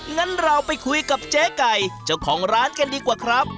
งั้นเราไปคุยกับเจ๊ไก่เจ้าของร้านกันดีกว่าครับ